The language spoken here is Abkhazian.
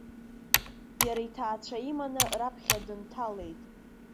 Иара иҭаацәа иманы раԥхьа дынҭалеит.